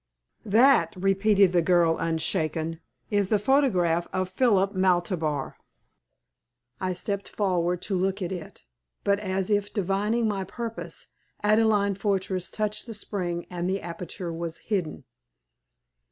"That," repeated the girl, unshaken, "is the photograph of Philip Maltabar." I stepped forward to look at it, but, as if divining my purpose, Adelaide Fortress touched the spring and the aperture was hidden.